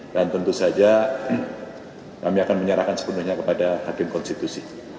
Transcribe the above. dan tentu saja kami akan menyerahkan sepenuhnya kepada hakim konstitusi